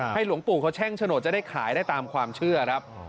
หลวงปู่เขาแช่งโฉนดจะได้ขายได้ตามความเชื่อครับ